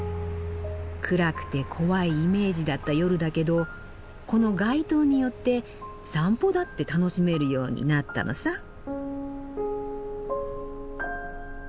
暗くて怖いイメージだった夜だけどこの街灯によって散歩だって楽しめるようになったのさ。